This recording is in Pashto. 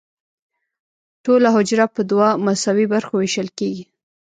ټوله حجره په دوه مساوي برخو ویشل کیږي.